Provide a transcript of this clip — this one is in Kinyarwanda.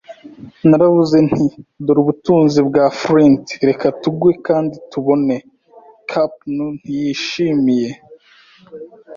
naravuze nti, 'dore ubutunzi bwa Flint; reka tugwe kandi tubone. ' Cap'n ntiyishimiye